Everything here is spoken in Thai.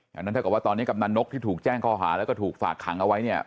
ดังนั้นเท่ากับว่าตอนนี้กำนันนกที่ถูกแจ้งข้อหาแล้วก็ถูกฝากขังเอาไว้เนี่ย